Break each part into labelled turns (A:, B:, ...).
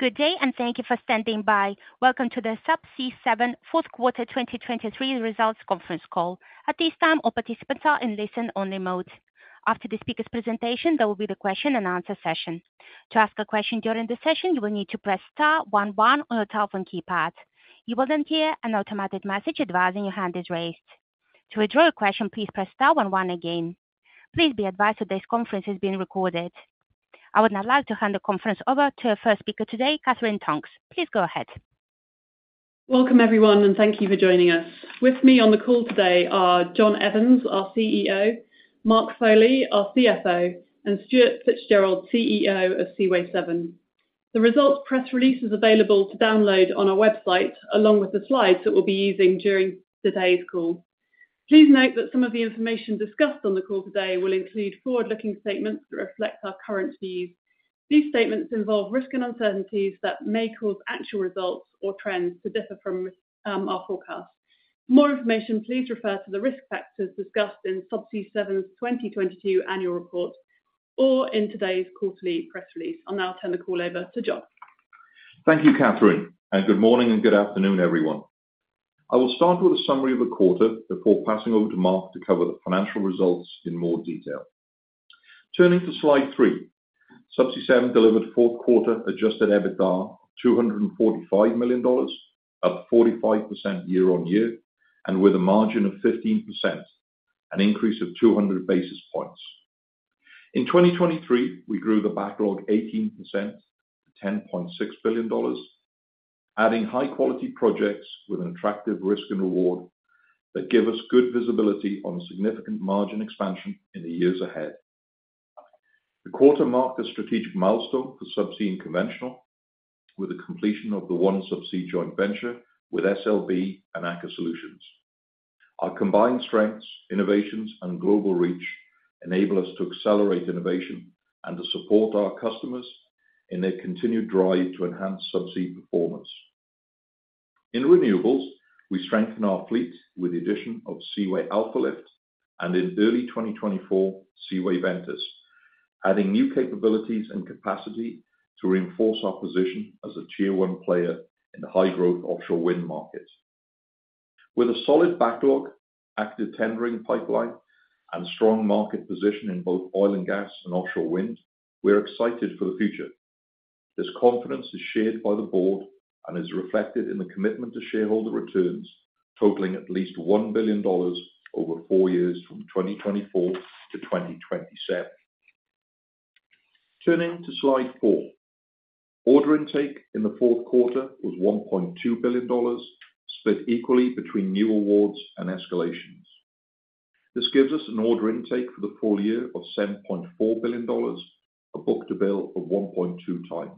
A: Good day and thank you for standing by. Welcome to the Subsea 7 fourth quarter 2023 results conference call. At this time, all participants are in listen-only mode. After the speaker's presentation, there will be the question-and-answer session. To ask a question during the session, you will need to press star one one on your telephone keypad. You will then hear an automated message advising your hand is raised. To withdraw your question, please press star one one again. Please be advised that this conference is being recorded. I would now like to hand the conference over to our first speaker today, Katherine Tonks. Please go ahead.
B: Welcome, everyone, and thank you for joining us. With me on the call today are John Evans, our CEO, Mark Foley, our CFO, and Stuart Fitzgerald, CEO of Seaway 7. The results press release is available to download on our website along with the slides that we'll be using during today's call. Please note that some of the information discussed on the call today will include forward-looking statements that reflect our current views. These statements involve risk and uncertainties that may cause actual results or trends to differ from our forecasts. For more information, please refer to the risk factors discussed in Subsea 7's 2022 annual report or in today's quarterly press release. I'll now turn the call over to John.
C: Thank you, Katherine, and good morning and good afternoon, everyone. I will start with a summary of the quarter before passing over to Mark to cover the financial results in more detail. Turning to slide three, Subsea 7 delivered fourth quarter adjusted EBITDA of $245 million up 45% year-on-year and with a margin of 15%, an increase of 200 basis points. In 2023, we grew the backlog 18% to $10.6 billion, adding high-quality projects with an attractive risk and reward that give us good visibility on a significant margin expansion in the years ahead. The quarter marked a strategic milestone for Subsea and Conventional with the completion of the OneSubsea joint venture with SLB and Aker Solutions. Our combined strengths, innovations, and global reach enable us to accelerate innovation and to support our customers in their continued drive to enhance subsea performance. In renewables, we strengthen our fleet with the addition of Seaway Alfa Lift and, in early 2024, Seaway Ventus, adding new capabilities and capacity to reinforce our position as a tier one player in the high-growth offshore wind market. With a solid backlog, active tendering pipeline, and strong market position in both oil and gas and offshore wind, we're excited for the future. This confidence is shared by the board and is reflected in the commitment to shareholder returns totaling at least $1 billion over four years from 2024 to 2027. Turning to slide four, order intake in the fourth quarter was $1.2 billion, split equally between new awards and escalations. This gives us an order intake for the full year of $7.4 billion, a book-to-bill of 1.2x.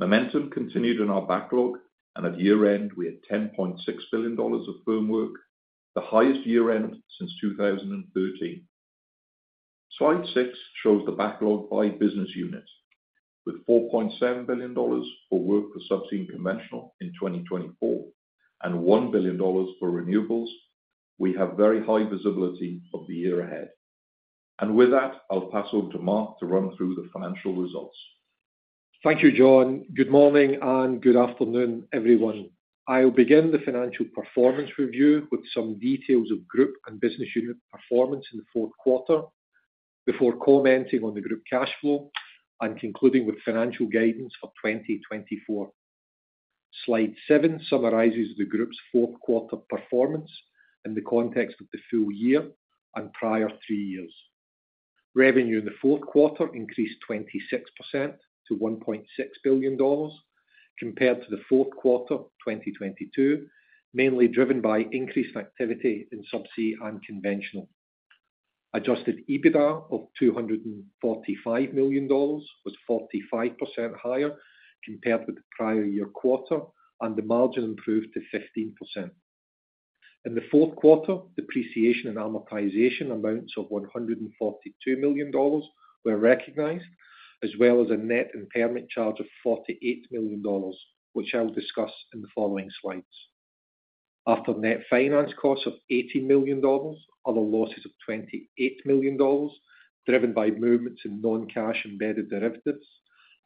C: Momentum continued in our backlog, and at year-end, we had $10.6 billion of firmwork, the highest year-end since 2013. Slide six shows the backlog by business unit. With $4.7 billion for work for Subsea and Conventional in 2024 and $1 billion for renewables, we have very high visibility of the year ahead. With that, I'll pass over to Mark to run through the financial results.
D: Thank you, John. Good morning and good afternoon, everyone. I'll begin the financial performance review with some details of group and business unit performance in the fourth quarter before commenting on the group cash flow and concluding with financial guidance for 2024. Slide seven summarizes the group's fourth quarter performance in the context of the full year and prior three years. Revenue in the fourth quarter increased 26% to $1.6 billion compared to the fourth quarter 2022, mainly driven by increased activity in Subsea and Conventional. Adjusted EBITDA of $245 million was 45% higher compared with the prior year quarter, and the margin improved to 15%. In the fourth quarter, depreciation and amortization amounts of $142 million were recognized, as well as a net impairment charge of $48 million, which I'll discuss in the following slides. After net finance costs of $80 million, other losses of $28 million driven by movements in non-cash embedded derivatives,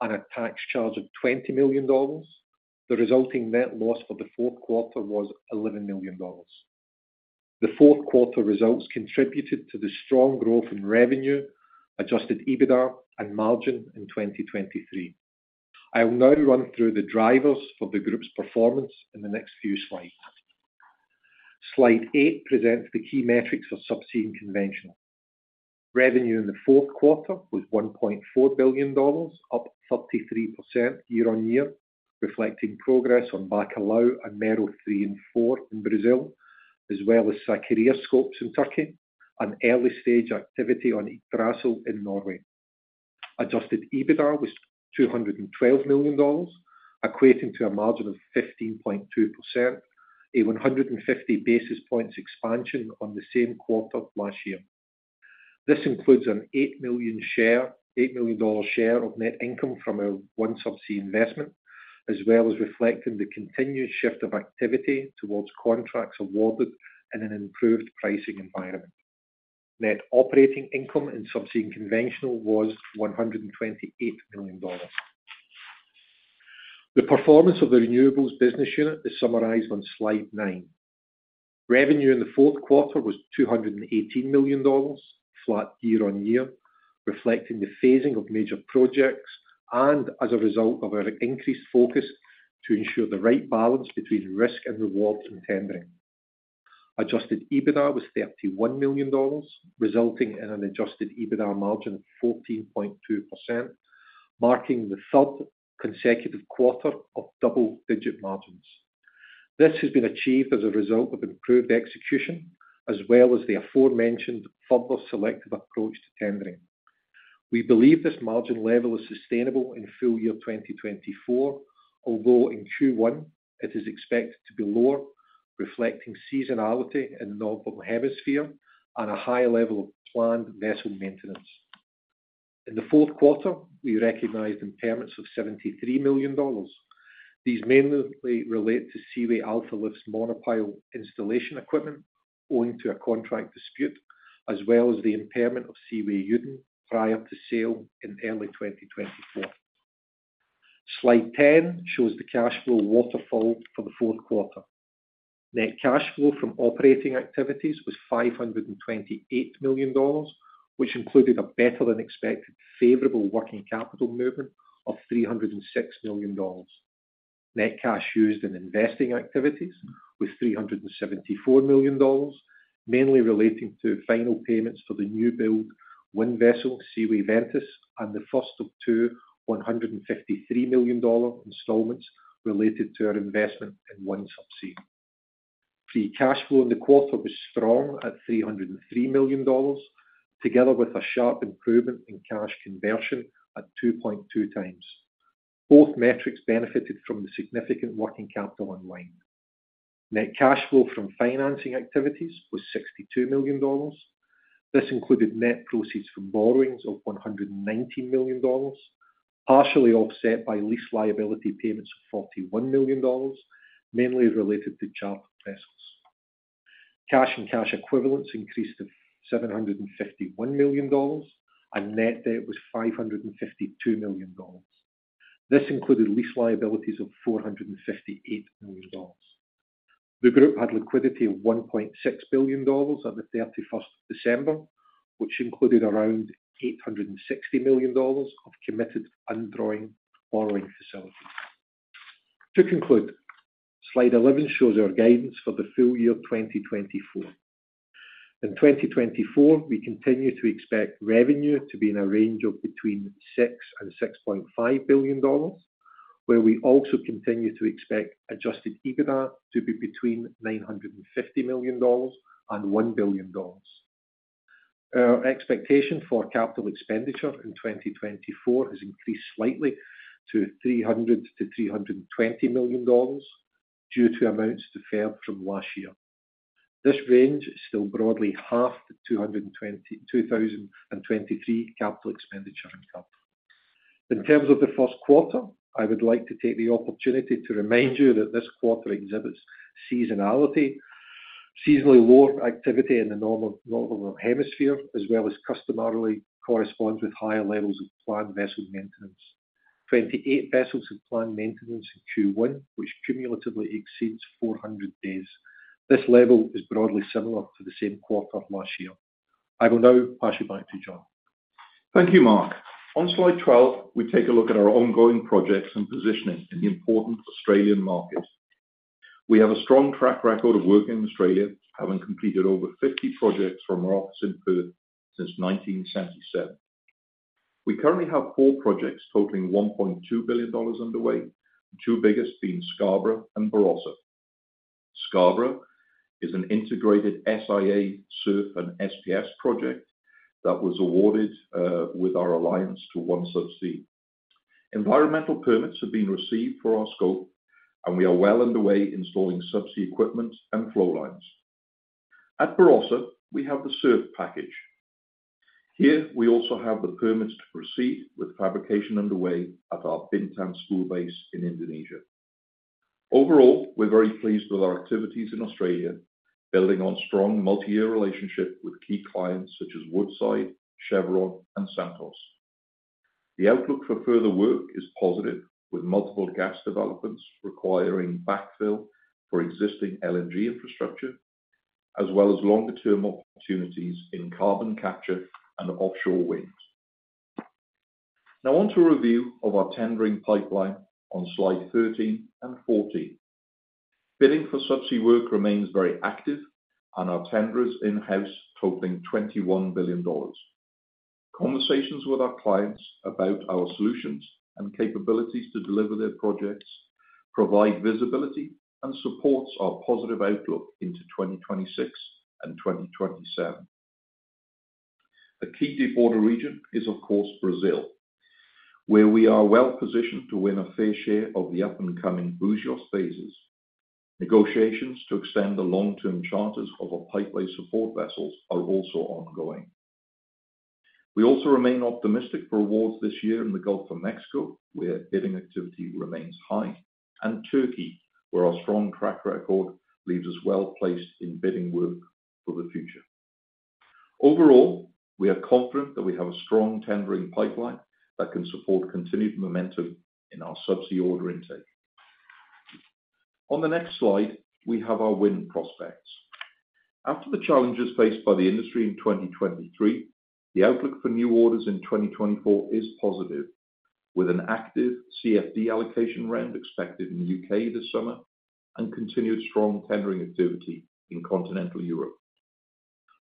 D: and a tax charge of $20 million, the resulting net loss for the fourth quarter was $11 million. The fourth quarter results contributed to the strong growth in revenue, Adjusted EBITDA, and margin in 2023. I'll now run through the drivers for the group's performance in the next few slides. Slide eight presents the key metrics for Subsea and Conventional. Revenue in the fourth quarter was $1.4 billion, up 33% year-on-year, reflecting progress on Bacalhau and Mero 3 and 4 in Brazil, as well as Sakarya scopes in Turkey and early-stage activity on Yggdrasil in Norway. Adjusted EBITDA was $212 million, equating to a margin of 15.2%, a 150 basis points expansion on the same quarter last year. This includes an $8 million share of net income from our OneSubsea investment, as well as reflecting the continued shift of activity towards contracts awarded in an improved pricing environment. Net operating income in Subsea and Conventional was $128 million. The performance of the renewables business unit is summarized on slide nine. Revenue in the fourth quarter was $218 million, flat year on year, reflecting the phasing of major projects and as a result of our increased focus to ensure the right balance between risk and reward in tendering. Adjusted EBITDA was $31 million, resulting in an Adjusted EBITDA margin of 14.2%, marking the third consecutive quarter of double-digit margins. This has been achieved as a result of improved execution as well as the aforementioned further selective approach to tendering. We believe this margin level is sustainable in full year 2024, although in Q1 it is expected to be lower, reflecting seasonality in the Northern Hemisphere and a high level of planned vessel maintenance. In the fourth quarter, we recognized impairments of $73 million. These mainly relate to Seaway Alfa Lift's monopile installation equipment owing to a contract dispute, as well as the impairment of Seaway Yudin prior to sale in early 2024. Slide 10 shows the cash flow waterfall for the fourth quarter. Net cash flow from operating activities was $528 million, which included a better-than-expected favorable working capital movement of $306 million. Net cash used in investing activities was $374 million, mainly relating to final payments for the new-build wind vessel Seaway Ventus and the first of two $153 million installments related to our investment in OneSubsea. Free cash flow in the quarter was strong at $303 million, together with a sharp improvement in cash conversion at 2.2x. Both metrics benefited from the significant working capital unwind. Net cash flow from financing activities was $62 million. This included net proceeds from borrowings of $119 million, partially offset by lease liability payments of $41 million, mainly related to chartered vessels. Cash and cash equivalents increased to $751 million, and net debt was $552 million. This included lease liabilities of $458 million. The group had liquidity of $1.6 billion on the 31st of December, which included around $860 million of committed undrawn borrowing facilities. To conclude, slide 11 shows our guidance for the full year 2024. In 2024, we continue to expect revenue to be in a range of between $6-$6.5 billion, where we also continue to expect Adjusted EBITDA to be between $950 million-$1 billion. Our expectation for capital expenditure in 2024 has increased slightly to $300 million-$320 million due to amounts deferred from last year. This range is still broadly half the 2023 capital expenditure income. In terms of the first quarter, I would like to take the opportunity to remind you that this quarter exhibits seasonality, seasonally lower activity in the Northern Hemisphere, as well as customarily corresponds with higher levels of planned vessel maintenance. 28 vessels of planned maintenance in Q1, which cumulatively exceeds 400 days. This level is broadly similar to the same quarter last year. I will now pass you back to John.
C: Thank you, Mark. On slide 12, we take a look at our ongoing projects and positioning in the important Australian market. We have a strong track record of working in Australia, having completed over 50 projects from our office in Perth since 1977. We currently have four projects totaling $1.2 billion underway, the two biggest being Scarborough and Barossa. Scarborough is an integrated SIA, SURF, and SPS project that was awarded, with our alliance to OneSubsea. Environmental permits have been received for our scope, and we are well underway installing Subsea equipment and flow lines. At Barossa, we have the SURF package. Here, we also have the permits to proceed with fabrication underway at our Batam spool base in Indonesia. Overall, we're very pleased with our activities in Australia, building on a strong multi-year relationship with key clients such as Woodside, Chevron, and Santos. The outlook for further work is positive, with multiple gas developments requiring backfill for existing LNG infrastructure, as well as longer-term opportunities in carbon capture and offshore wind. Now, on to a review of our tendering pipeline on slide 13 and 14. Bidding for Subsea work remains very active, and our tender is in-house totaling $21 billion. Conversations with our clients about our solutions and capabilities to deliver their projects provide visibility and support our positive outlook into 2026 and 2027. A key deep order region is, of course, Brazil, where we are well positioned to win a fair share of the up-and-coming Búzios phases. Negotiations to extend the long-term charters of our pipeline support vessels are also ongoing. We also remain optimistic for awards this year in the Gulf of Mexico, where bidding activity remains high, and Turkey, where our strong track record leaves us well placed in bidding work for the future. Overall, we are confident that we have a strong tendering pipeline that can support continued momentum in our Subsea order intake. On the next slide, we have our wind prospects. After the challenges faced by the industry in 2023, the outlook for new orders in 2024 is positive, with an active CFD allocation round expected in the U.K. this summer and continued strong tendering activity in continental Europe.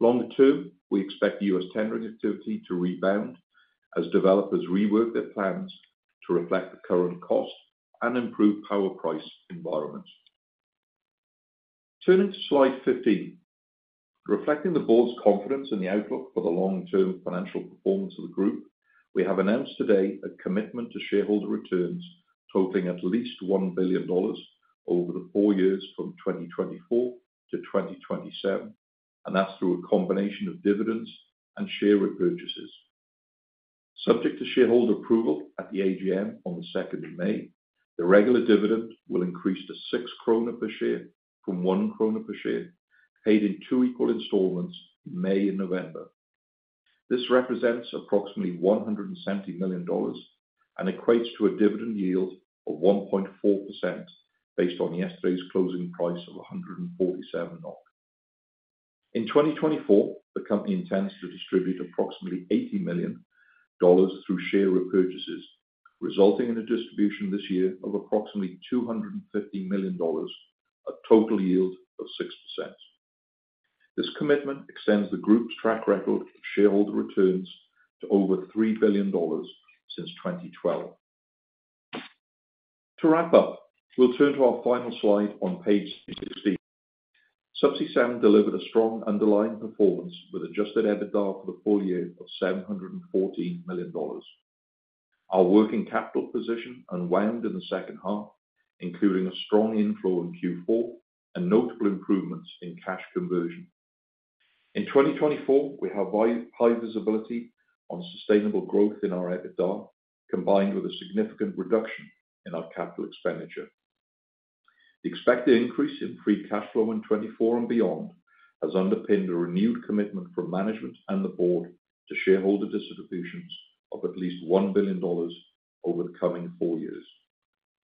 C: Longer term, we expect U.S. tendering activity to rebound as developers rework their plans to reflect the current cost and improve power price environments. Turning to slide 15, reflecting the board's confidence in the outlook for the long-term financial performance of the group, we have announced today a commitment to shareholder returns totaling at least $1 billion over the 4 years from 2024 to 2027, and that's through a combination of dividends and share repurchases. Subject to shareholder approval at the AGM on the 2nd of May, the regular dividend will increase to 6 kroner per share from 1 kroner per share, paid in two eqaul installments in May and November. This represents approximately $170 million and equates to a dividend yield of 1.4% based on yesterday's closing price of NOK 147. In 2024, the company intends to distribute approximately $80 million through share repurchases, resulting in a distribution this year of approximately $250 million, a total yield of 6%. This commitment extends the group's track record of shareholder returns to over $3 billion since 2012. To wrap up, we'll turn to our final slide on page 16. Subsea 7 delivered a strong underlying performance with Adjusted EBITDA for the full year of $714 million. Our working capital position unwound in the second half, including a strong inflow in Q4 and notable improvements in cash conversion. In 2024, we have high visibility on sustainable growth in our EBITDA, combined with a significant reduction in our capital expenditure. The expected increase in free cash flow in 2024 and beyond has underpinned a renewed commitment from management and the board to shareholder distributions of at least $1 billion over the coming four years.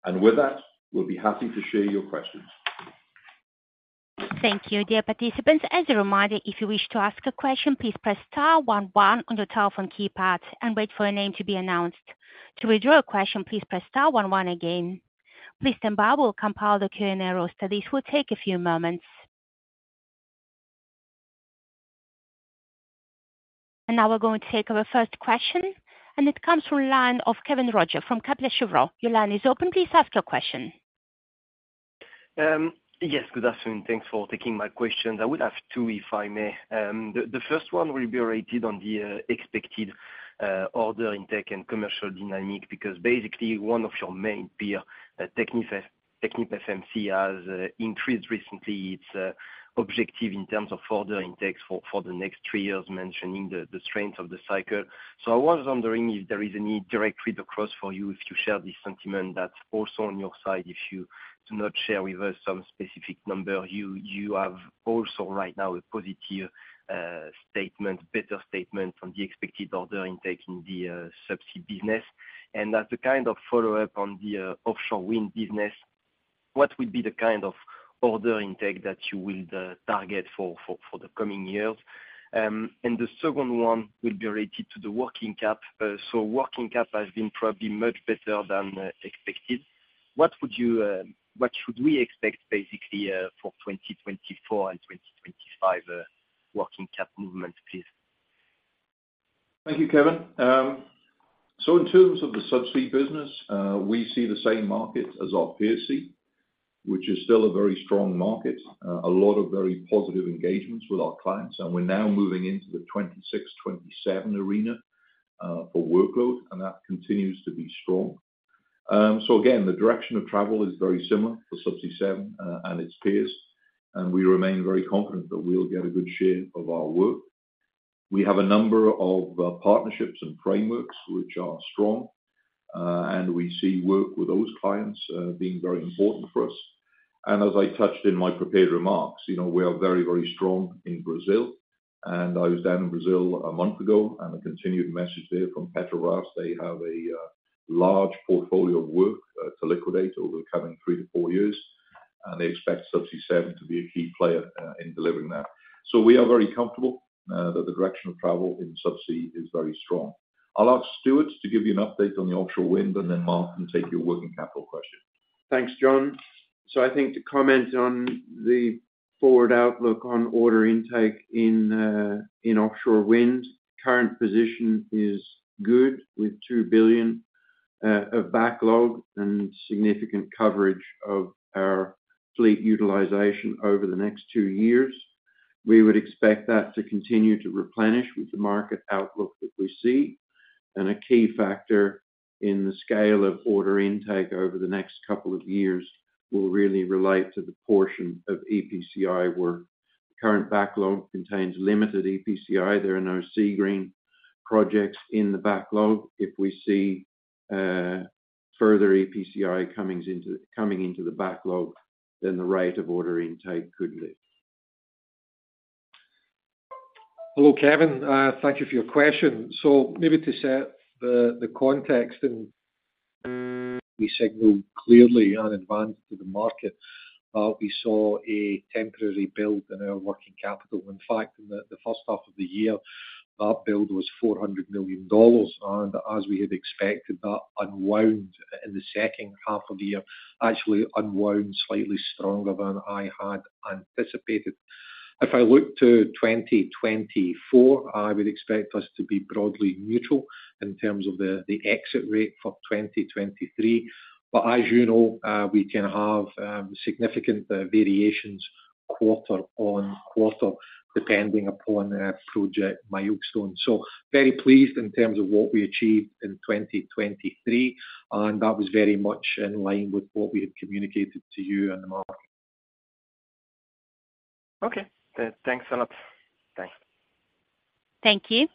C: With that, we'll be happy to share your questions.
A: Thank you, dear participants. As a reminder, if you wish to ask a question, please press star one one on your telephone keypad and wait for your name to be announced. To withdraw a question, please press star one one again. Please stand by. We'll compile the Q&A roster. This will take a few moments. Now we're going to take our first question, and it comes from the line of Kevin Roger from Kepler Cheuvreux. Your line is open. Please ask your question.
E: Yes, good afternoon. Thanks for taking my questions. I would have two, if I may. The first one will be related to the expected order intake and commercial dynamics because basically one of your main peers, TechnipFMC, has increased recently its objective in terms of order intakes for the next three years, mentioning the strength of the cycle. So I was wondering if there is any direct read-across for you if you share this sentiment that's also on your side, if you do not share with us some specific number. You have also right now a positive, better statement on the expected order intake in the Subsea business. And as a kind of follow-up on the offshore wind business, what would be the kind of order intake that you will target for the coming years? The second one will be related to the working cap. So working cap has been probably much better than expected. What would you, what should we expect basically for 2024 and 2025, working cap movement, please?
C: Thank you, Kevin. So in terms of the Subsea business, we see the same market as our PSE, which is still a very strong market, a lot of very positive engagements with our clients, and we're now moving into the 26-27 arena, for workload, and that continues to be strong. So again, the direction of travel is very similar for Subsea 7, and its peers, and we remain very confident that we'll get a good share of our work. We have a number of, partnerships and frameworks which are strong, and we see work with those clients, being very important for us. And as I touched in my prepared remarks, you know, we are very, very strong in Brazil. I was down in Brazil a month ago, and the continued message there from Peter Ralph, they have a large portfolio of work to liquidate over the coming 3-4 years, and they expect Subsea 7 to be a key player in delivering that. We are very comfortable that the direction of travel in Subsea is very strong. I'll ask Stuart to give you an update on the offshore wind, and then Mark can take your working capital question.
F: Thanks, John. So I think to comment on the forward outlook on order intake in offshore wind, current position is good with $2 billion of backlog and significant coverage of our fleet utilization over the next two years. We would expect that to continue to replenish with the market outlook that we see. And a key factor in the scale of order intake over the next couple of years will really relate to the portion of EPCI work. Current backlog contains limited EPCI. There are no Seagreen projects in the backlog. If we see further EPCI coming into the backlog, then the rate of order intake could lift.
D: Hello, Kevin. Thank you for your question. So maybe to set the context and we signaled clearly in advance to the market that we saw a temporary build in our working capital. In fact, in the first half of the year, that build was $400 million. And as we had expected, that unwound in the second half of the year, actually unwound slightly stronger than I had anticipated. If I look to 2024, I would expect us to be broadly neutral in terms of the exit rate for 2023. But as you know, we can have significant variations quarter-on-quarter depending upon project milestone. So very pleased in terms of what we achieved in 2023, and that was very much in line with what we had communicated to you and the market.
E: Okay. Thanks a lot. Thanks.
A: Thank you.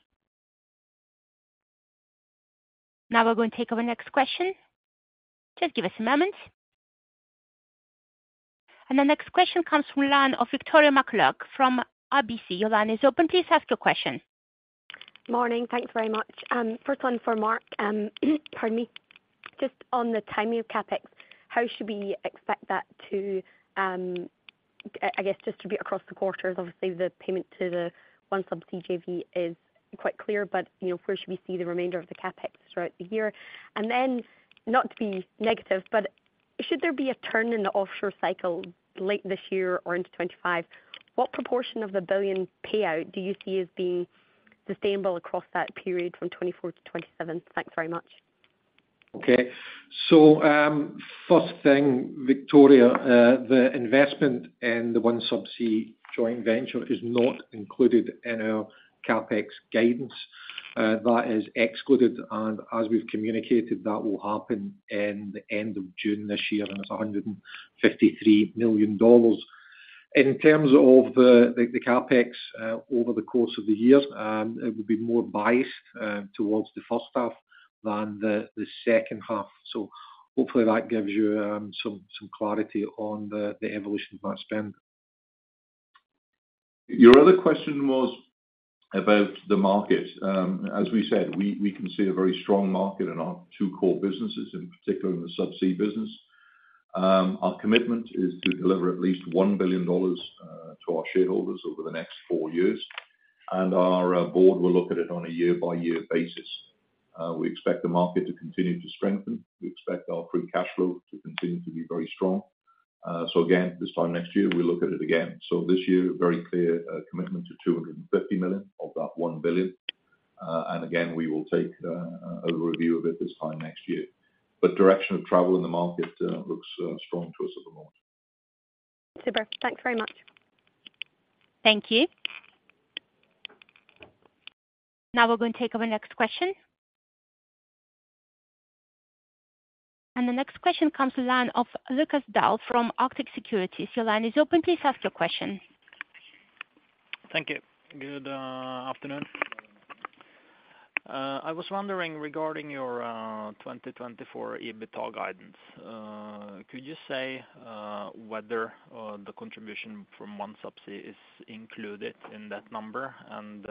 A: Now we're going to take our next question. Just give us a moment. The next question comes from the line of Victoria McCulloch from RBC. Your line is open. Please ask your question.
G: Morning. Thanks very much. First one for Mark. Pardon me. Just on the timing of CapEx, how should we expect that to, I guess, distribute across the quarters? Obviously, the payment to the OneSubsea JV is quite clear, but, you know, where should we see the remainder of the CapEx throughout the year? And then, not to be negative, but should there be a turn in the offshore cycle late this year or into 2025, what proportion of the $1 billion payout do you see as being sustainable across that period from 2024 to 2027? Thanks very much.
D: Okay. So, first thing, Victoria, the investment in the OneSubsea joint venture is not included in our CapEx guidance. That is excluded, and as we've communicated, that will happen in the end of June this year, and it's $153 million. In terms of the CapEx, over the course of the year, it will be more biased towards the first half than the second half. So hopefully that gives you some clarity on the evolution of that spend.
C: Your other question was about the market. As we said, we can see a very strong market in our two core businesses, in particular in the Subsea business. Our commitment is to deliver at least $1 billion to our shareholders over the next four years, and our board will look at it on a year-by-year basis. We expect the market to continue to strengthen. We expect our free cash flow to continue to be very strong. So again, this time next year, we'll look at it again. So this year, very clear commitment to $250 million of that $1 billion. And again, we will take a review of it this time next year. But direction of travel in the market looks strong to us at the moment.
G: Super. Thanks very much.
A: Thank you. Now we're going to take our next question. The next question comes to the line of Lucas Dahl from Arctic Securities. Your line is open. Please ask your question.
H: Thank you. Good afternoon. I was wondering regarding your 2024 EBITDA guidance. Could you say whether the contribution from OneSubsea is included in that number and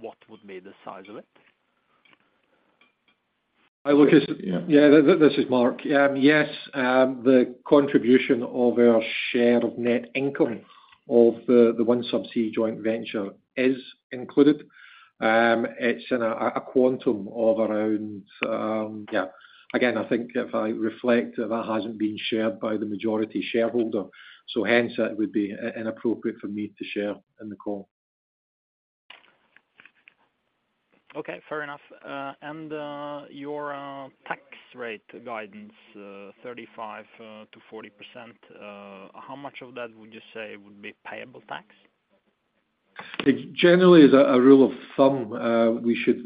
H: what would be the size of it?
D: Hi, Lucas. Yeah, this is Mark. Yes, the contribution of our share of net income of the OneSubsea joint venture is included. It's in a quantum of around, yeah. Again, I think if I reflect, that hasn't been shared by the majority shareholder, so hence it would be inappropriate for me to share in the call.
I: Okay. Fair enough. Your tax rate guidance 35%-40%, how much of that would you say would be payable tax?
D: It generally is a rule of thumb. We should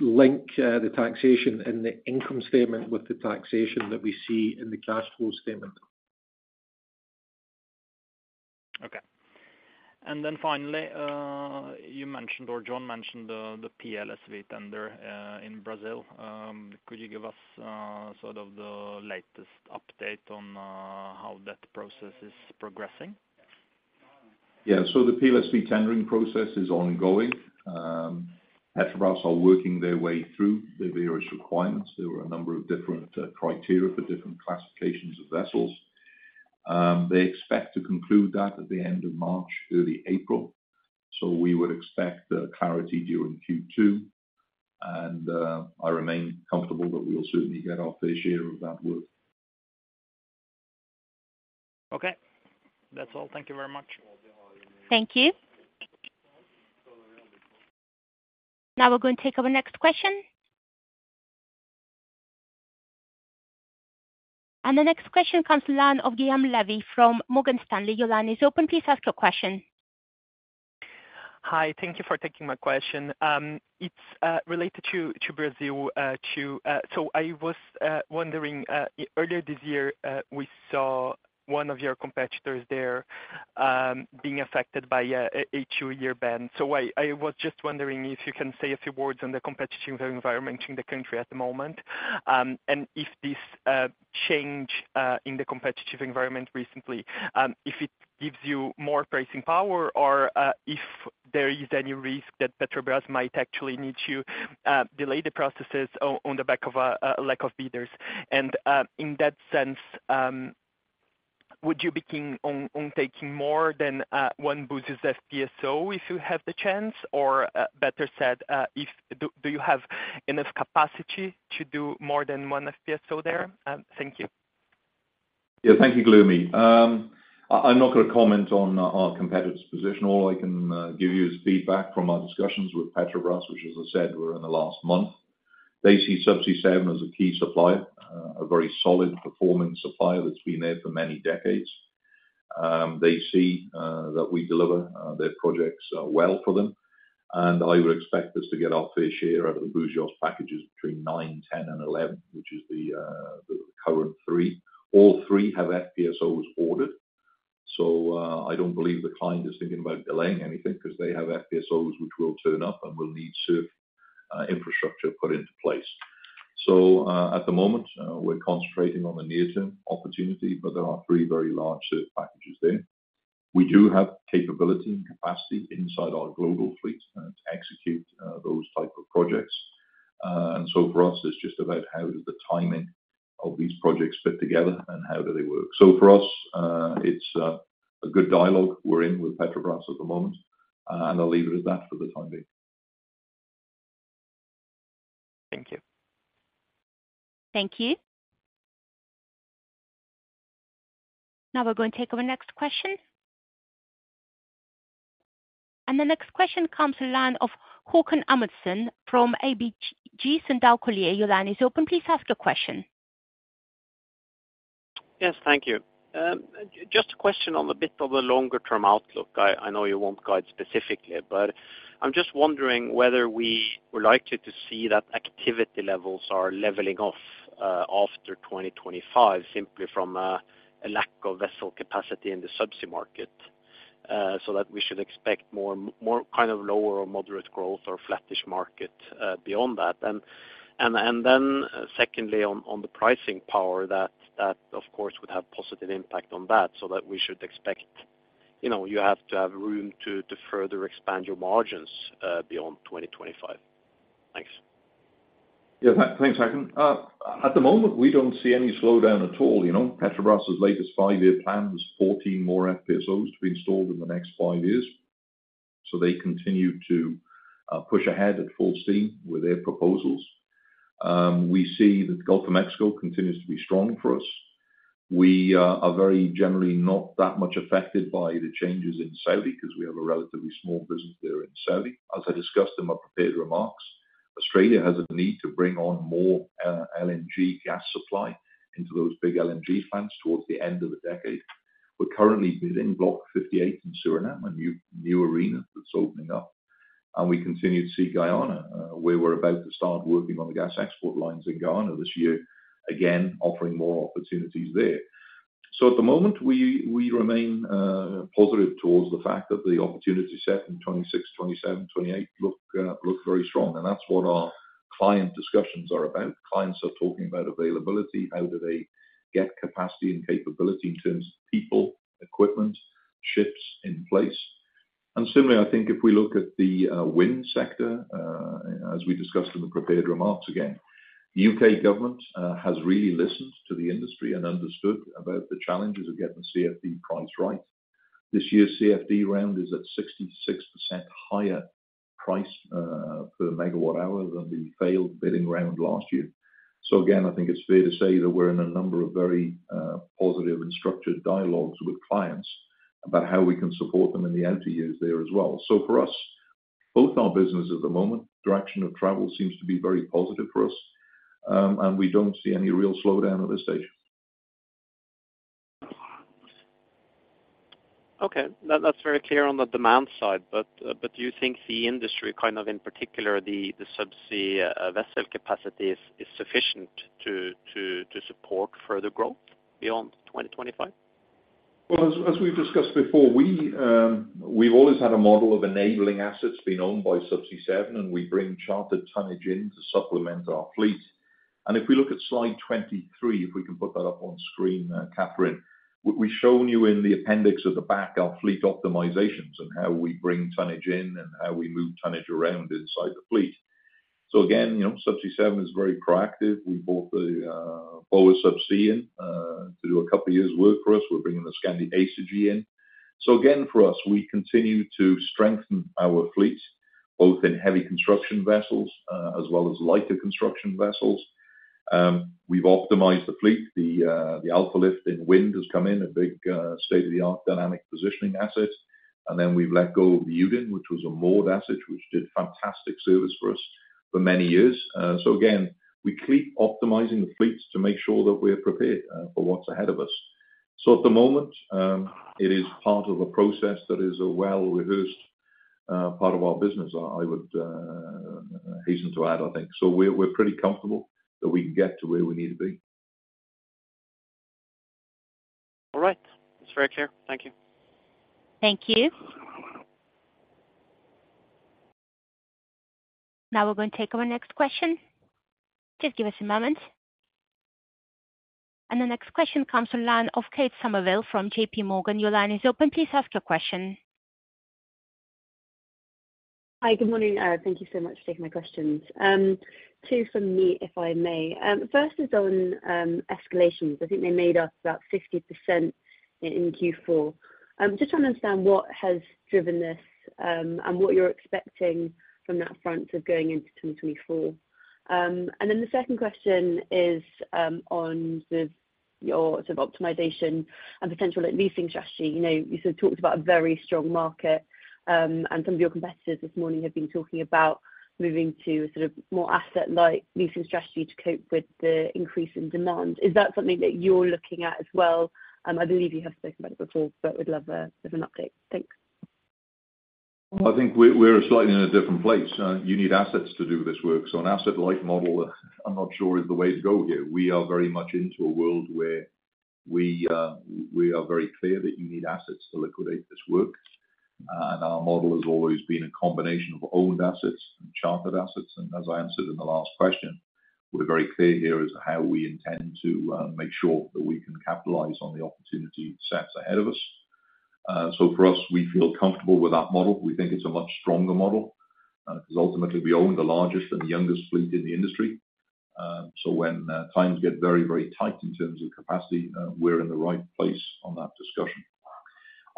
D: link the taxation in the income statement with the taxation that we see in the cash flow statement.
I: Okay. And then finally, you mentioned or John mentioned the PLSV tender in Brazil. Could you give us, sort of, the latest update on how that process is progressing?
C: Yeah. So the PLSV tendering process is ongoing. Petrobras are working their way through the various requirements. There were a number of different criteria for different classifications of vessels. They expect to conclude that at the end of March, early April. So we would expect clarity during Q2. And I remain comfortable that we'll certainly get our fair share of that work.
H: Okay. That's all. Thank you very much.
A: Thank you. Now we're going to take our next question. The next question comes from Guillaume Delaby of Morgan Stanley. Your line is open. Please ask your question.
J: Hi. Thank you for taking my question. It's related to Brazil, so I was wondering, earlier this year, we saw one of your competitors there, being affected by a two-year ban. So I was just wondering if you can say a few words on the competitive environment in the country at the moment, and if this change in the competitive environment recently, if it gives you more pricing power or if there is any risk that Petrobras might actually need to delay the processes on the back of a lack of bidders. And in that sense, would you be keen on taking more than one Búzios FPSO if you have the chance, or, better said, do you have enough capacity to do more than one FPSO there? Thank you.
C: Yeah. Thank you, Delaby. I'm not going to comment on our competitor's position. All I can give you is feedback from our discussions with Petrobras, which, as I said, were in the last month. They see Subsea 7 as a key supplier, a very solid performing supplier that's been there for many decades. They see that we deliver their projects well for them. And I would expect us to get our fair share out of the Búzios packages between nine, 10, and 11, which is the current three. All three have FPSOs ordered. So, I don't believe the client is thinking about delaying anything because they have FPSOs which will turn up and will need SURF infrastructure put into place. So, at the moment, we're concentrating on the near-term opportunity, but there are three very large SURF packages there. We do have capability and capacity inside our global fleet to execute those type of projects. And so for us, it's just about how does the timing of these projects fit together and how do they work. So for us, it's a good dialogue we're in with Petrobras at the moment. And I'll leave it at that for the time being.
K: Thank you.
A: Thank you. Now we're going to take our next question. The next question comes to line of Haakon Amundsen from ABG Sundal Collier. Your line is open. Please ask your question.
L: Yes. Thank you. Just a question on the bit of the longer-term outlook. I know you won't guide specifically, but I'm just wondering whether we would like to see that activity levels are leveling off after 2025 simply from a lack of vessel capacity in the subsea market, so that we should expect more kind of lower or moderate growth or flattish market beyond that. And then secondly, on the pricing power that, of course, would have positive impact on that so that we should expect, you know, you have to have room to further expand your margins beyond 2025. Thanks.
C: Yeah. Thanks, Haakon. At the moment, we don't see any slowdown at all. You know, Petrobras's latest five-year plan was 14 more FPSOs to be installed in the next five years so they continue to push ahead at full steam with their proposals. We see that Gulf of Mexico continues to be strong for us. We are very generally not that much affected by the changes in Saudi because we have a relatively small business there in Saudi. As I discussed in my prepared remarks, Australia has a need to bring on more LNG gas supply into those big LNG plants towards the end of the decade. We're currently bidding Block 58 in Suriname, a new arena that's opening up. And we continue to see Guyana, where we're about to start working on the gas export lines in Guyana this year, again, offering more opportunities there. So at the moment, we remain positive towards the fact that the opportunity set in 2026, 2027, 2028 looks very strong. And that's what our client discussions are about. Clients are talking about availability. How do they get capacity and capability in terms of people, equipment, ships in place? And similarly, I think if we look at the wind sector, as we discussed in the prepared remarks again, the U.K. government has really listened to the industry and understood about the challenges of getting the CFD price right. This year's CFD round is at 66% higher price per megawatt-hour than the failed bidding round last year. So again, I think it's fair to say that we're in a number of very positive and structured dialogues with clients about how we can support them in the outer years there as well. So for us, both our businesses at the moment, direction of travel seems to be very positive for us. We don't see any real slowdown at this stage.
L: Okay. That's very clear on the demand side. But do you think the industry kind of in particular, the subsea vessel capacity is sufficient to support further growth beyond 2025?
C: Well, as we've discussed before, we've always had a model of enabling assets being owned by Subsea 7, and we bring chartered tonnage in to supplement our fleet. And if we look at slide 23, if we can put that up on screen, Katherine, we've shown you in the appendix at the back our fleet optimizations and how we bring tonnage in and how we move tonnage around inside the fleet. So again, you know, Subsea 7 is very proactive. We bought the Boa Sub C in to do a couple of years' work for us. We're bringing the Skandi Acergy in. So again, for us, we continue to strengthen our fleet both in heavy construction vessels, as well as lighter construction vessels. We've optimized the fleet. The Alfa Lift in wind has come in, a big, state-of-the-art dynamic positioning asset. And then we've let go of the Uden, which was a moored asset which did fantastic service for us for many years. So again, we keep optimizing the fleets to make sure that we're prepared for what's ahead of us. So at the moment, it is part of a process that is a well-rehearsed part of our business, I would hasten to add, I think. So we're pretty comfortable that we can get to where we need to be.
L: All right. That's very clear. Thank you.
A: Thank you. Now we're going to take our next question. Just give us a moment. The next question comes to line of Kate Sherwin from JPMorgan. Your line is open. Please ask your question.
M: Hi. Good morning. Thank you so much for taking my questions. Two for me, if I may. First is on escalations. I think they made up about 50% in Q4. Just trying to understand what has driven this, and what you're expecting from that front going into 2024. And then the second question is on sort of your sort of optimization and potential asset leasing strategy. You know, you sort of talked about a very strong market, and some of your competitors this morning have been talking about moving to a sort of more asset-like leasing strategy to cope with the increase in demand. Is that something that you're looking at as well? I believe you have spoken about it before, but would love a bit of an update. Thanks.
C: Well, I think we're, we're slightly in a different place. You need assets to do this work. So an asset-like model, I'm not sure, is the way to go here. We are very much into a world where we, we are very clear that you need assets to liquidate this work. And our model has always been a combination of owned assets and chartered assets. And as I answered in the last question, we're very clear here as to how we intend to make sure that we can capitalize on the opportunity sets ahead of us. So for us, we feel comfortable with that model. We think it's a much stronger model, because ultimately, we own the largest and the youngest fleet in the industry. So when times get very, very tight in terms of capacity, we're in the right place on that discussion.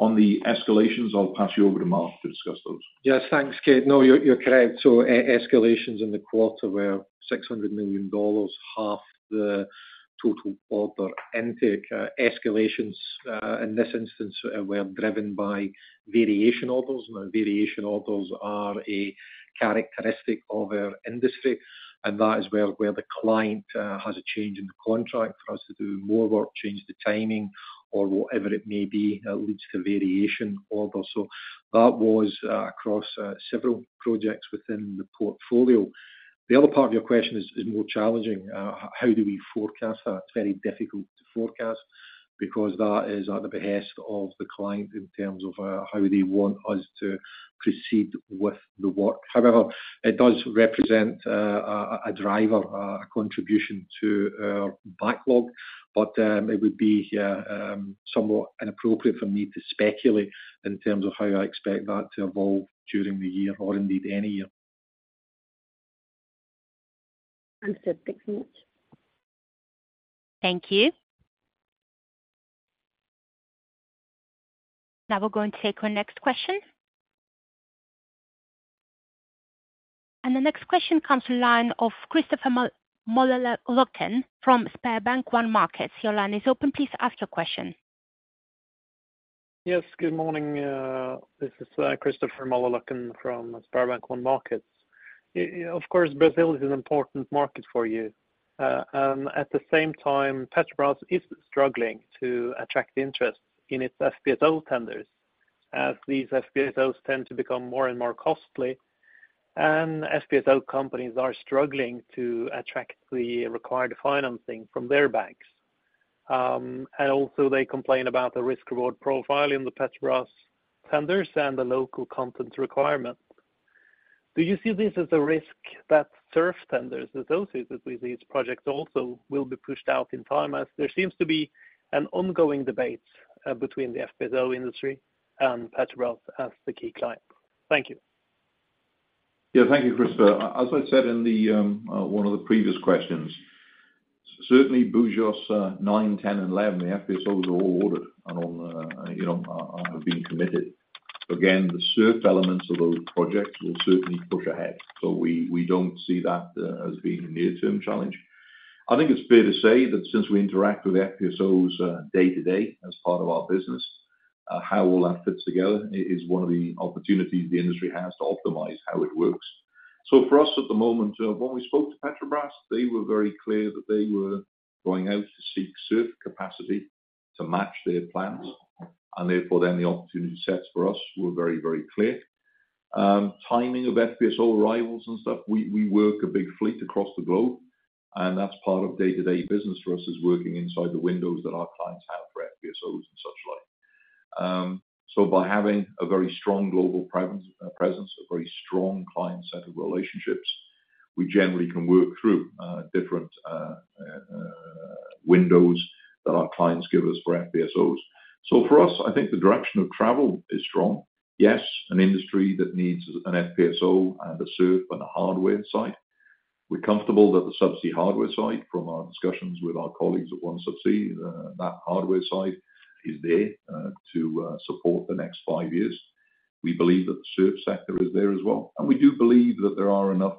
C: On the escalations, I'll pass you over to Mark to discuss those.
N: Yes. Thanks, Kate. No, you're correct. So escalations in the quarter were $600 million, half the total order intake. Escalations, in this instance, were driven by variation orders. Now, variation orders are a characteristic of our industry, and that is where the client has a change in the contract for us to do more work, change the timing, or whatever it may be, leads to variation orders. So that was across several projects within the portfolio. The other part of your question is more challenging. How do we forecast that? It's very difficult to forecast because that is at the behest of the client in terms of how they want us to proceed with the work. However, it does represent a driver, a contribution to our backlog. It would be somewhat inappropriate for me to speculate in terms of how I expect that to evolve during the year or indeed any year.
M: Understood. Thanks so much.
A: Thank you. Now we're going to take our next question. The next question comes to the line of Christopher Møllerløkken from SpareBank 1 Markets. Your line is open. Please ask your question.
O: Yes. Good morning. This is Christopher Møllerløkken from SpareBank 1 Markets. Of course, Brazil is an important market for you. And at the same time, Petrobras is struggling to attract interest in its FPSO tenders as these FPSOs tend to become more and more costly. And FPSO companies are struggling to attract the required financing from their banks. And also, they complain about the risk-reward profile in the Petrobras tenders and the local content requirement. Do you see this as a risk that SURF tenders associated with these projects also will be pushed out in time as there seems to be an ongoing debate between the FPSO industry and Petrobras as the key client? Thank you.
C: Yeah. Thank you, Christopher. As I said in the, one of the previous questions, certainly Búzios, nine, 10, and 11, the FPSOs are all ordered and on, you know, have been committed. Again, the surf elements of those projects will certainly push ahead. So we, we don't see that, as being a near-term challenge. I think it's fair to say that since we interact with FPSOs, day to day as part of our business, how all that fits together is one of the opportunities the industry has to optimize how it works. So for us at the moment, when we spoke to Petrobras, they were very clear that they were going out to seek surf capacity to match their plants. And therefore, then, the opportunity sets for us were very, very clear. Timing of FPSO arrivals and stuff, we, we work a big fleet across the globe. And that's part of day-to-day business for us is working inside the windows that our clients have for FPSOs and such like. So by having a very strong global presence, a very strong client set of relationships, we generally can work through different windows that our clients give us for FPSOs. So for us, I think the direction of travel is strong. Yes, an industry that needs an FPSO and a SURF and a hardware side. We're comfortable that the Subsea hardware side, from our discussions with our colleagues at One Subsea, that hardware side is there to support the next five years. We believe that the SURF sector is there as well. And we do believe that there are enough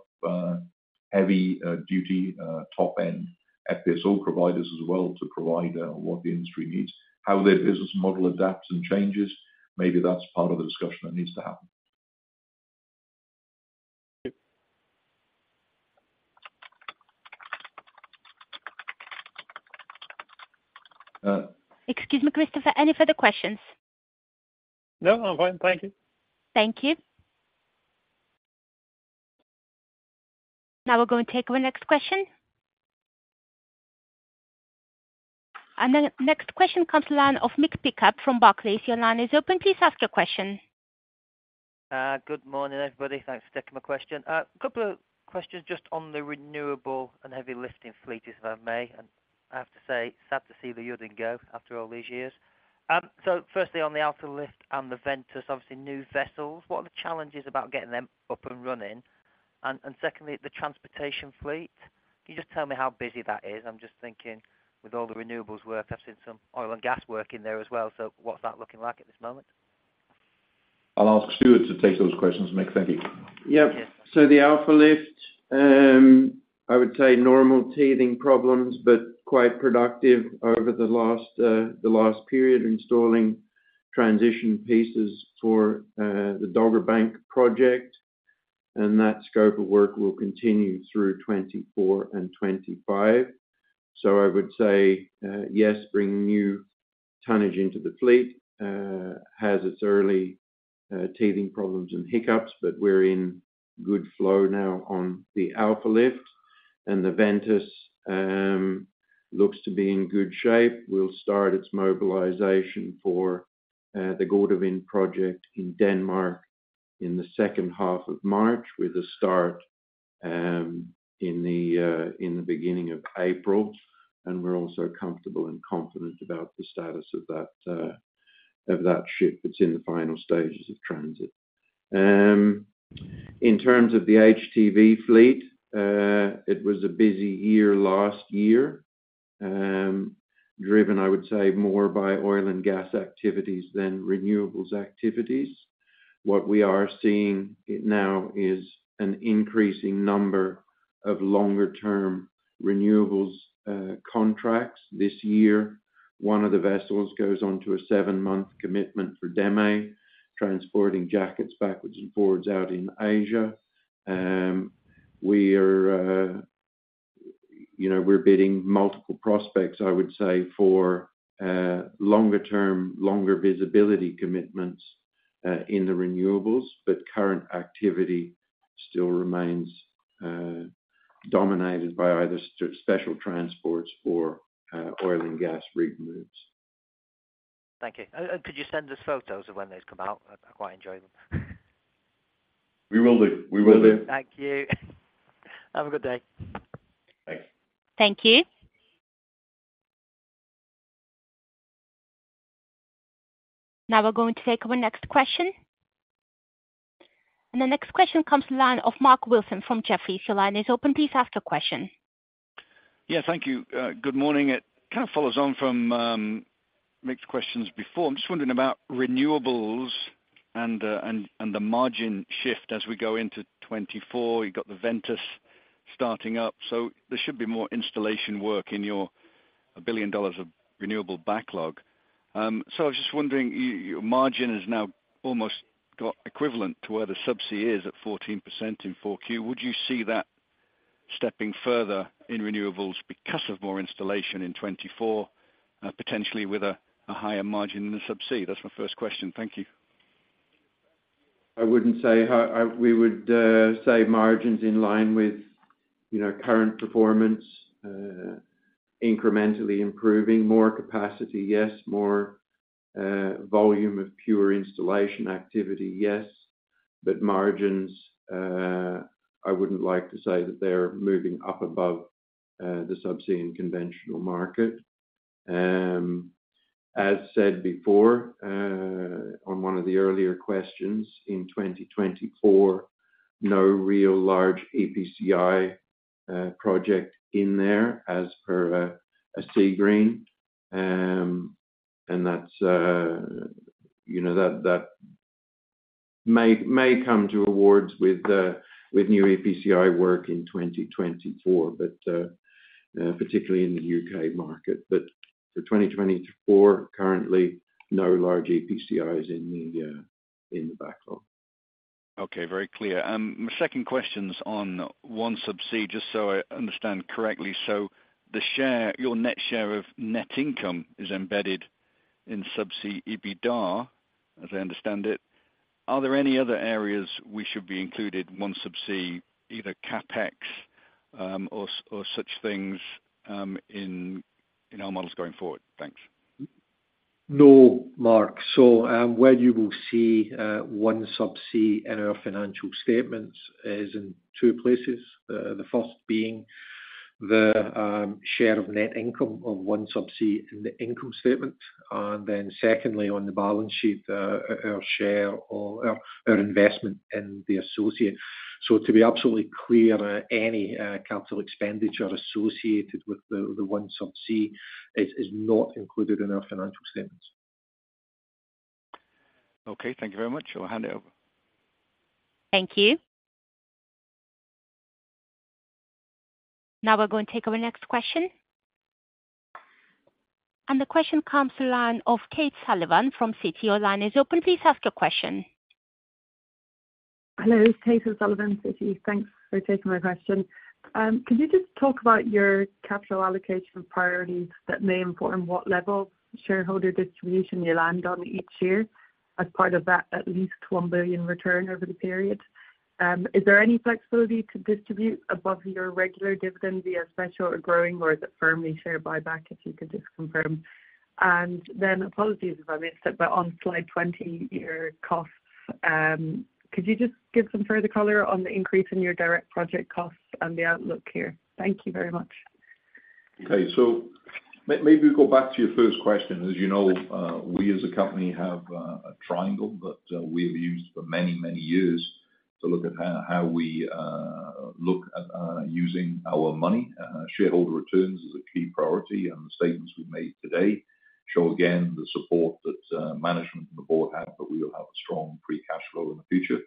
C: heavy-duty top-end FPSO providers as well to provide what the industry needs. How their business model adapts and changes, maybe that's part of the discussion that needs to happen.
O: Yep.
D: Excuse me, Christopher. Any further questions?
O: No. I'm fine. Thank you.
A: Thank you. Now we're going to take our next question. The next question comes to the line of Mick Pickup from Barclays. Your line is open. Please ask your question.
P: Good morning, everybody. Thanks for taking my question. A couple of questions just on the renewable and heavy lifting fleet, if I may. And I have to say, sad to see the Uden go after all these years. So firstly, on the Alfa Lift and the Ventus, obviously, new vessels, what are the challenges about getting them up and running? And secondly, the transportation fleet. Can you just tell me how busy that is? I'm just thinking, with all the renewables work, I've seen some oil and gas work in there as well. So what's that looking like at this moment?
C: I'll ask Stuart to take those questions, Mick. Thank you.
F: Yep. So the Alfa Lift, I would say, normal teething problems but quite productive over the last period installing transition pieces for the Dogger Bank project. And that scope of work will continue through 2024 and 2025. So I would say, yes, bringing new tonnage into the fleet has its early teething problems and hiccups, but we're in good flow now on the Alfa Lift. And the Ventus looks to be in good shape. It will start its mobilization for the Gode Wind project in Denmark in the second half of March with a start in the beginning of April. And we're also comfortable and confident about the status of that ship. It's in the final stages of transit. In terms of the HTV fleet, it was a busy year last year, driven, I would say, more by oil and gas activities than renewables activities. What we are seeing now is an increasing number of longer-term renewables contracts this year. One of the vessels goes onto a 7-month commitment for DEME transporting jackets backwards and forwards out in Asia. We are, you know, we're bidding multiple prospects, I would say, for longer-term, longer visibility commitments in the renewables, but current activity still remains dominated by either special transports or oil and gas rig moves.
P: Thank you. Could you send us photos of when those come out? I quite enjoy them.
C: We will do. We will do.
P: Will do. Thank you. Have a good day.
C: Thanks.
A: Thank you. Now we're going to take our next question. The next question comes from the line of Mark Wilson from Jefferies. If your line is open, please ask your question.
N: Yeah. Thank you. Good morning. It kind of follows on from Mick's questions before. I'm just wondering about renewables and the margin shift as we go into 2024. You've got the Ventus starting up. So there should be more installation work in your $1 billion of renewable backlog. So I was just wondering, your margin has now almost got equivalent to where the Subsea is at 14% in 4Q. Would you see that stepping further in renewables because of more installation in 2024, potentially with a higher margin than the Subsea? That's my first question. Thank you.
C: I wouldn't say high. We would say margins in line with, you know, current performance, incrementally improving. More capacity, yes. More volume of pure installation activity, yes. But margins, I wouldn't like to say that they're moving up above the Subsea and Conventional market. As said before, on one of the earlier questions, in 2024, no real large EPCI project in there as per a Seagreen. And that's, you know, that may come to awards with new EPCI work in 2024, but particularly in the UK market. But for 2024, currently, no large EPCIs in the backlog.
N: Okay. Very clear. My second question's on OneSubsea. Just so I understand correctly, so the share your net share of net income is embedded in Subsea EBITDA, as I understand it. Are there any other areas we should be included, OneSubsea, either CapEx, or such things, in our models going forward? Thanks.
C: No, Mark. So, where you will see OneSubsea in our financial statements is in two places. The first being the share of net income of OneSubsea in the income statement. And then secondly, on the balance sheet, our share or our investment in the associate. So to be absolutely clear, any capital expenditure associated with the OneSubsea is not included in our financial statements.
N: Okay. Thank you very much. I'll hand it over.
A: Thank you. Now we're going to take our next question. The question comes to the line of Kate O'Sullivan from Citi. Your line is open. Please ask your question.
Q: Hello. Kate O'Sullivan, Citi. Thanks for taking my question. Can you just talk about your capital allocation priorities that may inform what level of shareholder distribution you land on each year as part of that at least $1 billion return over the period? Is there any flexibility to distribute above your regular dividend via special or growing, or is it firmly share buyback, if you could just confirm? And then, apologies if I missed it, but on slide 20, your costs, could you just give some further color on the increase in your direct project costs and the outlook here? Thank you very much.
C: Okay. So maybe we'll go back to your first question. As you know, we as a company have a triangle that we have used for many, many years to look at how we look at using our money. Shareholder returns is a key priority. And the statements we've made today show, again, the support that management and the board have that we will have a strong Free Cash Flow in the future.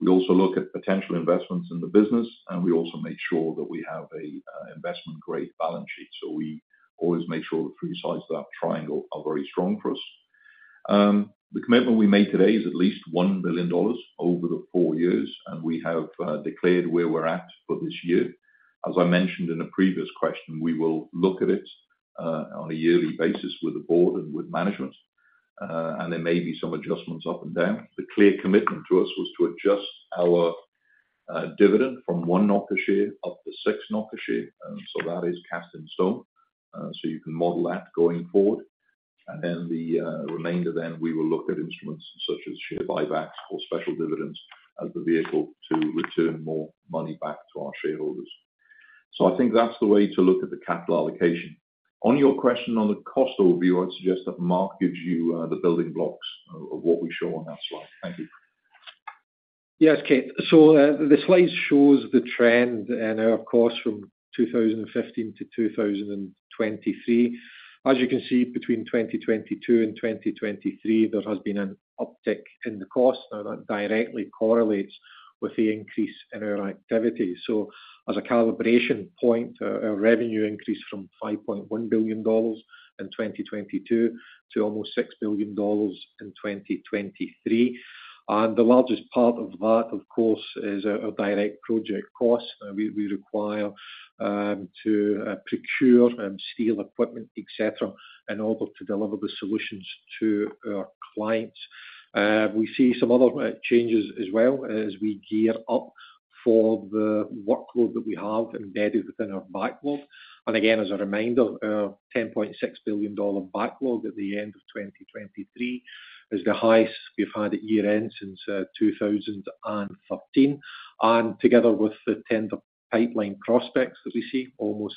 C: We also look at potential investments in the business. And we also make sure that we have an investment-grade balance sheet. So we always make sure the three sides of that triangle are very strong for us. The commitment we made today is at least $1 billion over the four years. And we have declared where we're at for this year. As I mentioned in a previous question, we will look at it, on a yearly basis with the board and with management. There may be some adjustments up and down. The clear commitment to us was to adjust our, dividend from 1 NOK-a-share up to 6 NOK-a-share. So that is cast in stone. So you can model that going forward. And then the, remainder, then, we will look at instruments such as share buybacks or special dividends as the vehicle to return more money back to our shareholders. So I think that's the way to look at the capital allocation. On your question on the cost overview, I'd suggest that Mark gives you, the building blocks of what we show on that slide. Thank you.
D: Yes, Kate. The slides show the trend in our costs from 2015 to 2023. As you can see, between 2022 and 2023, there has been an uptick in the costs. That directly correlates with the increase in our activity. As a calibration point, our revenue increased from $5.1 billion in 2022 to almost $6 billion in 2023. The largest part of that, of course, is our direct project costs. We require to procure steel equipment, etc., in order to deliver the solutions to our clients. We see some other changes as well, as we gear up for the workload that we have embedded within our backlog. Again, as a reminder, our $10.6 billion backlog at the end of 2023 is the highest we've had at year-end since 2013. Together with the tender pipeline prospects that we see, almost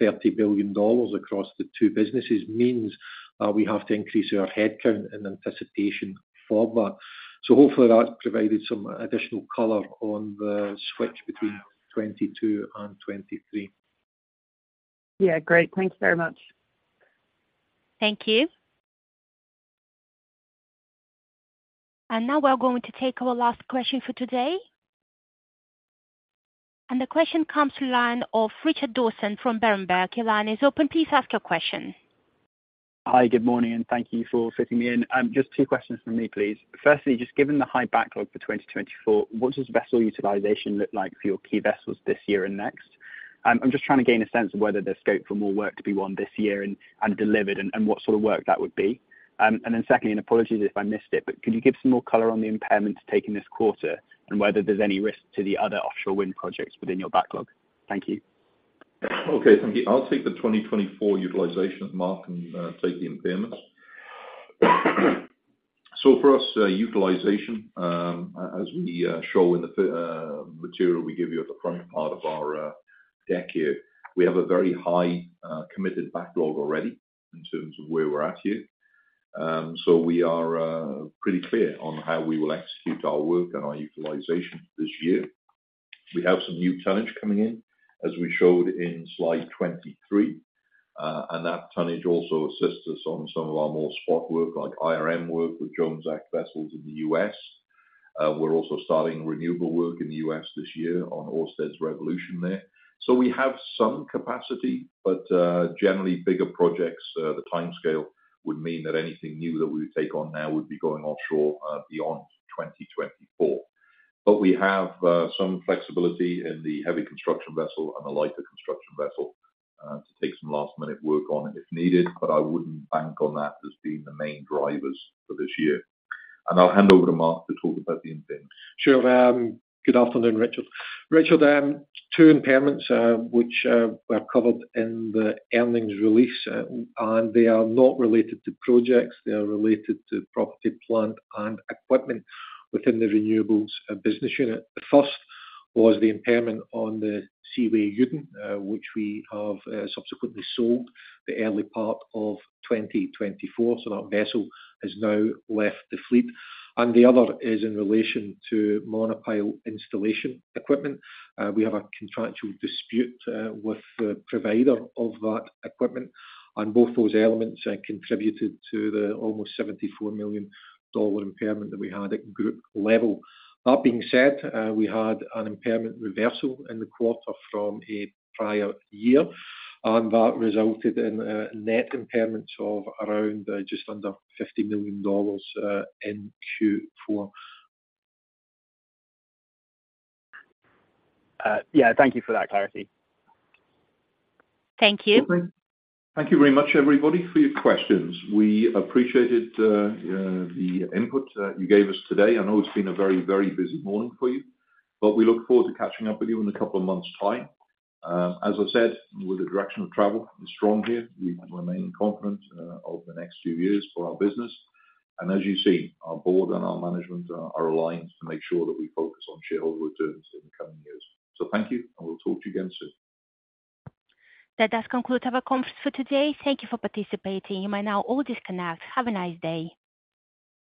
D: $30 billion across the two businesses means that we have to increase our headcount in anticipation for that. Hopefully, that's provided some additional color on the switch between 2022 and 2023.
Q: Yeah. Great. Thank you very much.
A: Thank you. Now we're going to take our last question for today. The question comes to the line of Richard Dawson from Berenberg. Your line is open. Please ask your question.
R: Hi. Good morning, and thank you for fitting me in. Just two questions from me, please. Firstly, just given the high backlog for 2024, what does vessel utilization look like for your key vessels this year and next? I'm just trying to gain a sense of whether there's scope for more work to be won this year and, and delivered, and, and what sort of work that would be. And then secondly, and apologies if I missed it, but could you give some more color on the impairments taken this quarter and whether there's any risk to the other offshore wind projects within your backlog? Thank you.
C: Okay. Thank you. I'll take the 2024 utilization, Mark, and take the impairments. So for us, utilization, as we show in the financial material we give you at the front part of our deck here, we have a very high committed backlog already in terms of where we're at here. So we are pretty clear on how we will execute our work and our utilization for this year. We have some new tonnage coming in, as we showed in slide 23. And that tonnage also assists us on some of our more spot work, like IRM work with Jones Act vessels in the U.S. We're also starting renewable work in the U.S. this year on Ørsted's Revolution there. So we have some capacity, but generally, bigger projects, the timescale would mean that anything new that we would take on now would be going offshore beyond 2024. But we have some flexibility in the heavy construction vessel and the lighter construction vessel to take some last-minute work on if needed. But I wouldn't bank on that as being the main drivers for this year. And I'll hand over to Mark to talk about the impairments.
D: Sure. Good afternoon, Richard. Richard, two impairments, which were covered in the earnings release, and they are not related to projects. They are related to property, plant, and equipment within the Renewables business unit. The first was the impairment on the Seaway Uden, which we have subsequently sold in the early part of 2024. So that vessel has now left the fleet. And the other is in relation to monopile installation equipment. We have a contractual dispute with the provider of that equipment. And both those elements contributed to the almost $74 million impairment that we had at group level. That being said, we had an impairment reversal in the quarter from a prior year. And that resulted in net impairments of around just under $50 million in Q4.
R: Yeah. Thank you for that clarity.
A: Thank you.
C: Thank you very much, everybody, for your questions. We appreciated the input you gave us today. I know it's been a very, very busy morning for you, but we look forward to catching up with you in a couple of months' time. As I said, with the direction of travel strong here, we remain confident of the next few years for our business. And as you see, our board and our management are aligned to make sure that we focus on shareholder returns in the coming years. So thank you. And we'll talk to you again soon.
A: That does conclude our conference for today. Thank you for participating. You may now all disconnect. Have a nice day.